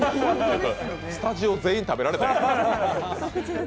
スタジオ全員食べられたよ。